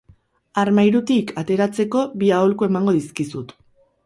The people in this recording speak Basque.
Armairutik ateratzeko bi aholku emango dizkizut.